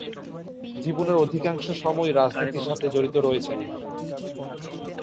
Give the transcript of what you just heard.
জীবনের অধিকাংশ সময়ই রাজনীতির সাথে জড়িত রয়েছেন।